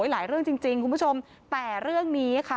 ละเรื่องนี้ค่ะ